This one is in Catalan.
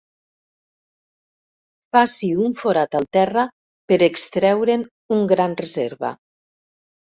Faci un forat al terra per extreure'n un gran reserva.